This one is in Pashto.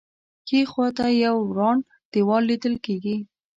ښی خوا ته یې یو وران دیوال لیدل کېږي.